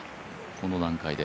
この段階で。